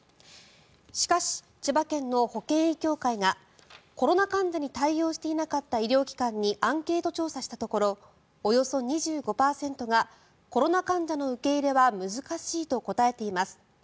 しかし、千葉県の保険医協会がコロナ患者に対応していなかった医療機関にアンケート調査したところおよそ２５％がコロナ患者の受け入れは難しいと答えています。